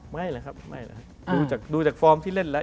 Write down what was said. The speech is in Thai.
ไม่แหละครับดูจากฟอร์มที่เล่นแล้ว